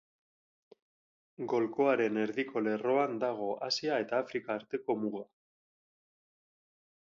Golkoaren erdiko lerroan dago Asia eta Afrika arteko muga.